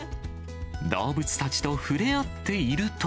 動物たちと触れ合っていると。